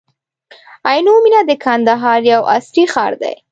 عینو مېنه د کندهار یو عصري ښار دی.